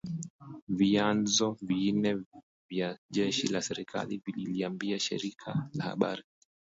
vyanzo vinne vya jeshi la serikali vililiambia shirika la habari